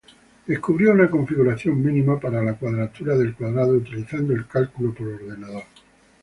Descubrió una configuración mínima para la cuadratura del cuadrado utilizando el cálculo por ordenador.